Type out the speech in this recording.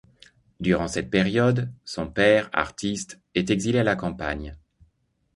Durant cette période, son père, artiste, est exilé à la campagne.